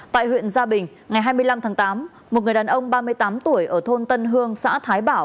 tại huyện gia bình ngày hai mươi năm tháng tám một người đàn ông ba mươi tám tuổi ở thôn tân hương xã thái bảo